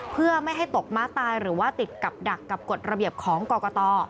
เพื่อไม่ให้ตกม้าตายหรือว่าติดกับดักกับกฎระเบียบของกรกต